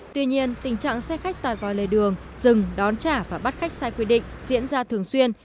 tuy nhiên tình trạng xe khách tạt vào lề đường dừng đón trả và bắt khách sai quy định diễn ra thường xuyên